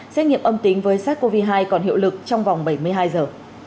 xét nghiệm âm tính với sars cov hai còn hiệu lực trong vòng bảy mươi hai giờ